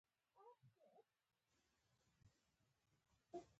په فیوډالیزم کې د توکو تولید وده وکړه.